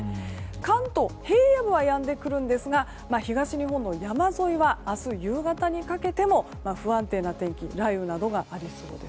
関東、平野部はやんでくるんですが東日本の山沿いは明日夕方にかけても不安定な天気雷雨などがありそうです。